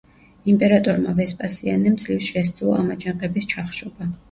იმპერატორმა ვესპასიანემ ძლივს შესძლო ამ აჯანყების ჩახშობა.